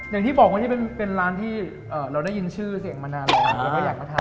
อย่างที่บอกว่านี่เป็นร้านที่เราได้ยินชื่อเสียงมานานแล้วเราก็อยากมาทาน